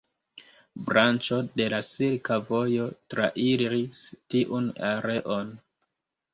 Branĉo de la Silka Vojo trairis tiun areon.